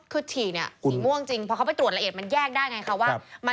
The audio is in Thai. คือฉี่เนี่ยสีม่วงจริงเพราะเขาไปตรวจละเอียดมันแยกได้ไงคะว่า